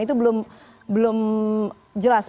itu belum jelas